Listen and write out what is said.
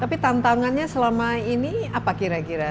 tapi tantangannya selama ini apa kira kira